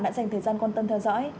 đã dành thời gian quan tâm theo dõi